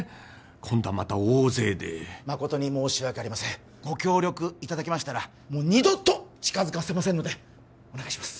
今度はまた大勢でまことに申し訳ありませんご協力いただけましたらもう二度と近づかせませんのでお願いします